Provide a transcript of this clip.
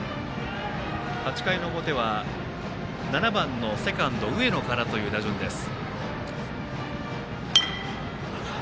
８回の表は７番のセカンド、上野からという打順です。